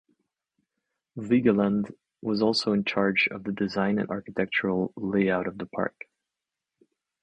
Vigeland was also in charge of the design and architectural layout of the park.